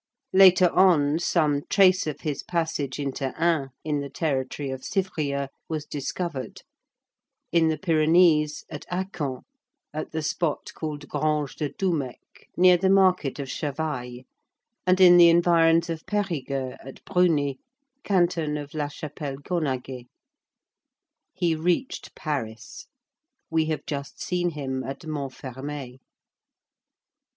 Later on, some trace of his passage into Ain, in the territory of Civrieux, was discovered; in the Pyrenees, at Accons; at the spot called Grange de Doumec, near the market of Chavailles, and in the environs of Perigueux at Brunies, canton of La Chapelle Gonaguet. He reached Paris. We have just seen him at Montfermeil.